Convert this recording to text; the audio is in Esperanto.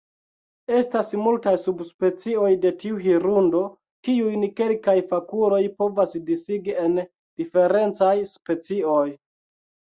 Estas multaj subspecioj de tiu hirundo, kiujn kelkaj fakuloj povas disigi en diferencaj specioj.